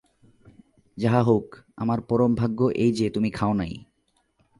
যাহা হউক, আমার পরম ভাগ্য এই যে তুমি খাও নাই।